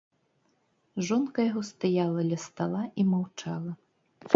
Жонка яго стаяла ля стала і маўчала.